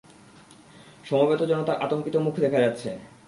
সমবেত জনতার আতংকিত মুখ দেখা যাচ্ছে!